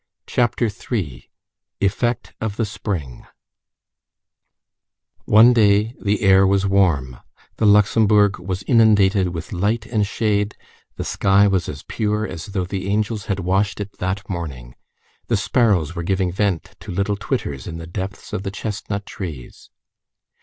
CHAPTER III—EFFECT OF THE SPRING One day, the air was warm, the Luxembourg was inundated with light and shade, the sky was as pure as though the angels had washed it that morning, the sparrows were giving vent to little twitters in the depths of the chestnut trees.